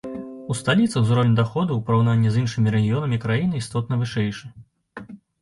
У сталіцы ўзровень даходаў у параўнанні з іншымі рэгіёнамі краіны істотна вышэйшы.